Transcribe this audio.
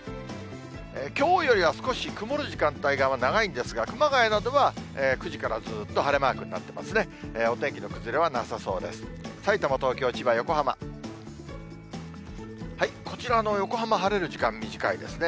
きょうよりは少し曇る時間帯が長いんですが、熊谷などは９時からずっと晴れマークになってますね。